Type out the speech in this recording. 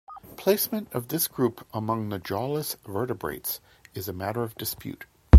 Placement of this group among the jawless vertebrates is a matter of dispute.